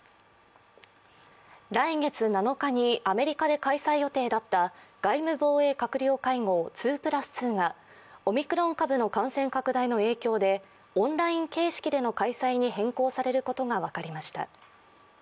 来月７日にアメリカで開催予定だった外務・防衛閣僚会合、２＋２がオミクロン株の感染拡大の影響でオンライン形式での開催に変更されることが分かりました。